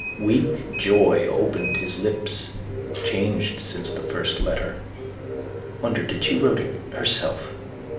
Weak joy opened his lips. Changed since the first letter. Wonder did she wrote it herself.